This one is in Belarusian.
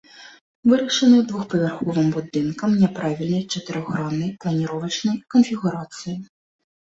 Вырашаны двухпавярховым будынкам няправільнай чатырохграннай планіровачнай канфігурацыі.